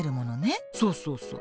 そうそうそう。